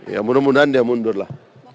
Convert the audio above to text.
ya mudah mudahan dia mundur lah